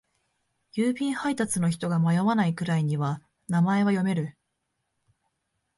郵便配達の人が迷わないくらいには名前は読める。